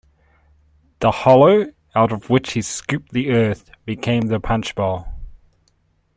The hollow out of which he scooped the earth became the Punch Bowl.